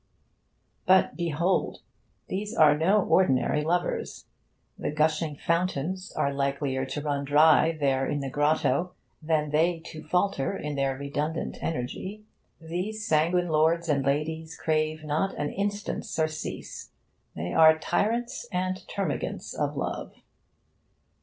But behold! these are no ordinary lovers. The gushing fountains are likelier to run dry there in the grotto than they to falter in their redundant energy. These sanguine lords and ladies crave not an instant's surcease. They are tyrants and termagants of love.